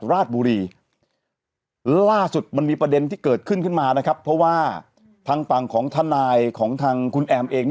ราชบุรีล่าสุดมันมีประเด็นที่เกิดขึ้นขึ้นมานะครับเพราะว่าทางฝั่งของทนายของทางคุณแอมเอง